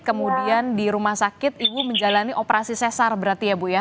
kemudian di rumah sakit ibu menjalani operasi sesar berarti ya bu ya